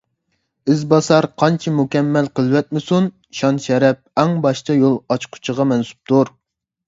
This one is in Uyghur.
ئىز باسار قانچە مۇكەممەل قىلىۋەتمىسۇن، شان - شەرەپ ئەڭ باشتا يول ئاچقۇچىغا مەنسۇپتۇر.